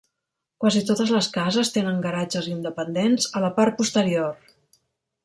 Quasi totes les cases tenen garatges independents a la part posterior.